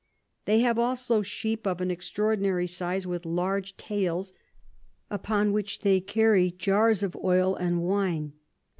They have also Sheep of an extraordinary Size, with large Tails, upon which they carry'd Jars of Oil and Wine.